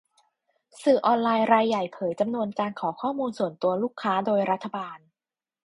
สื่อออนไลน์รายใหญ่เผยจำนวนการขอข้อมูลส่วนตัวลูกค้าโดยรัฐบาล